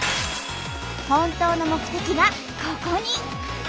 本当の目的がここに！